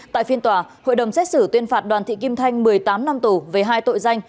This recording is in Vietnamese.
tại phiên tòa hội đồng xét xử tuyên phạt đoàn thị kim thanh một mươi tám năm tù về hai tội danh